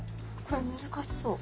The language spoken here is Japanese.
これ難しそう。